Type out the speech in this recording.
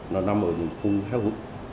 nó nằm ở những khung heo hụt